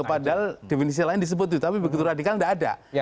padahal definisi lain disebut tapi begitu radikal tidak ada